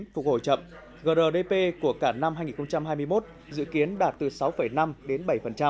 phục hồi chậm grdp của cả năm hai nghìn hai mươi một dự kiến đạt từ sáu năm đến bảy